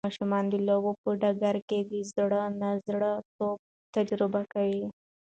ماشومان د لوبو په ډګر کې د زړه نا زړه توب تجربه کوي.